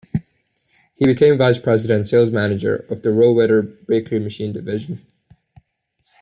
He became vice-president and sales manager of the Rohwedder Bakery Machine Division.